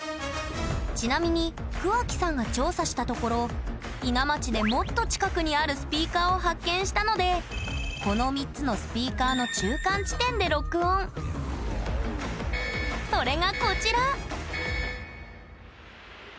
ちなみに桑木さんが調査したところ伊奈町でもっと近くにあるスピーカーを発見したのでこの３つのスピーカーの中間地点で録音それがこちら！